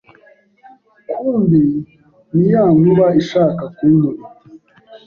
kumbi ni ya nkuba ishaka kunkubita